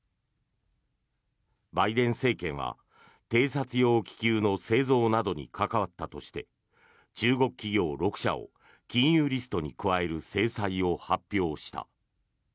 バイデン政権は偵察用気球の製造などに関わったとして中国企業６社を禁輸リストに加える制裁を発表した。